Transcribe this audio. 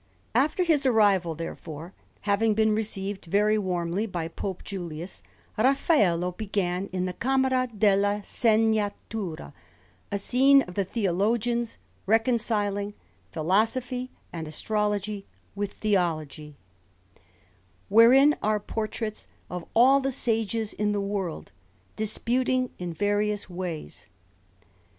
After his arrival, therefore, having been received very warmly by Pope Julius, Raffaello began in the Camera della Segnatura a scene of the theologians reconciling Philosophy and Astrology with Theology: wherein are portraits of all the sages in the world, disputing in various ways.